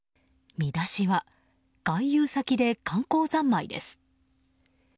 見出しは外遊先で観光三昧です。